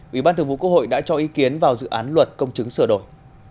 ủy ban thường vụ quốc hội đã cho ý kiến vào dự án luật công chứng sửa đổi